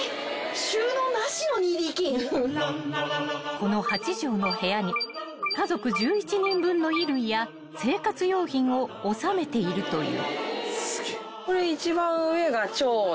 ［この８畳の部屋に家族１１人分の衣類や生活用品を収めているという］